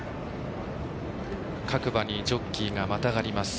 各馬にジョッキーがまたがります。